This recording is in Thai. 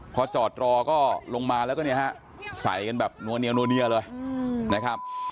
พอจอดรอก็ลงมาแล้วก็ใส่กันแบบนัวเนียวเลยนะครับ